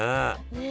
ねえ。